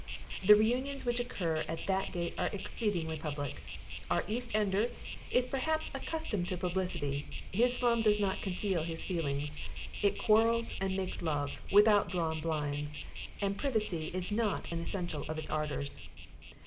The reunions which occur at that gate are exceedingly public. Our East Ender is perhaps accustomed to publicity; his slum does not conceal its feelings it quarrels, and makes love, without drawn blinds, and privacy is not an essential of its ardours.